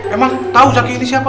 emang tau zaky ini siapa